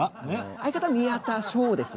相方宮田昇です。